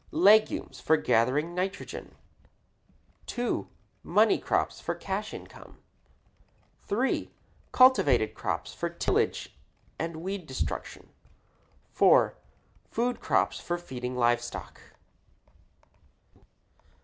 Legumes for gathering nitrogen. 2. Money crops for cash income. 3. Cultivated crops for tillage and weed destruction. 4. Food crops for feeding live stock.